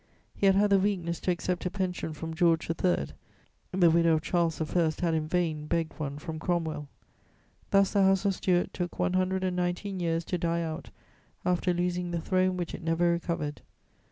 He had had the weakness to accept a pension from George III.: the widow of Charles I. had in vain begged one from Cromwell. Thus the House of Stuart took one hundred and nineteen years to die out after losing the throne which it never recovered.